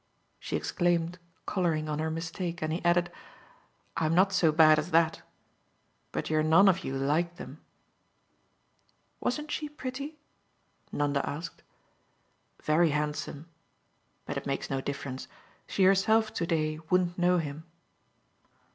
She exclaimed, colouring, on her mistake, and he added: "I'm not so bad as that. But you're none of you like them." "Wasn't she pretty?" Nanda asked. "Very handsome. But it makes no difference. She herself to day wouldn't know him."